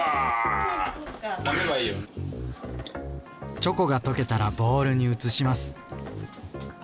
チョコが溶けたらボウルに移します。